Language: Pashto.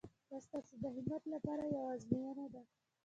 دا ستاسو د همت لپاره یوه ازموینه ده.